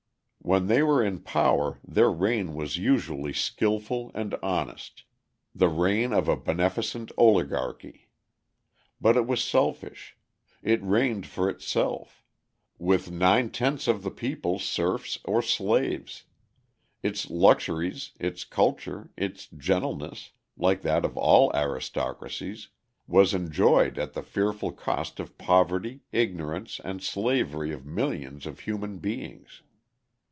When they were in power their reign was usually skilful and honest: the reign of a beneficent oligarchy. But it was selfish: it reigned for itself with nine tenths of the people serfs or slaves. Its luxuries, its culture, its gentleness, like that of all aristocracies, was enjoyed at the fearful cost of poverty, ignorance, and slavery of millions of human beings.